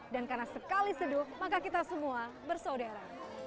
dan karena sekali seduh maka kita semua bersaudara